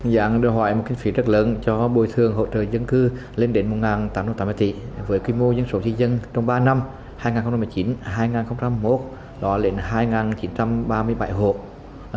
giảng đòi hỏi một kinh phí rất lớn cho bồi thường hỗ trợ dân cư lên đến một tám trăm tám mươi tỷ với quy mô dân số di dân trong ba năm hai nghìn một mươi chín hai nghìn hai mươi một đó lên hai chín trăm ba mươi bảy hộ